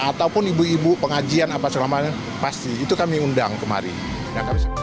ataupun ibu ibu pengajian apa segala macam pasti itu kami undang kemarin